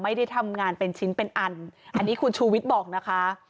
ไม่ได้ทำงานเป็นชิ้นเป็นอันอันนี้คุณชูวิทย์บอกนะคะ